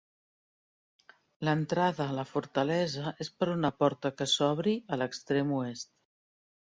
L'entrada a la fortalesa és per una porta que s'obri a l'extrem oest.